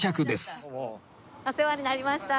お世話になりました。